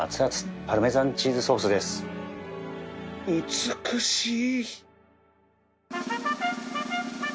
美しい